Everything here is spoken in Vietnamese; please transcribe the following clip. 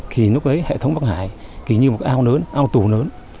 thì lúc ấy hệ thống bắc hải thì như một cái ao lớn ao tù lớn